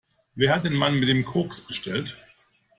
Wer hat den Mann mit dem Koks bestellt?